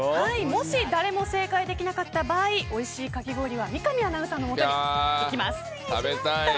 もし誰も正解できなかった場合おいしいかき氷は三上アナウンサーのもとに行きます。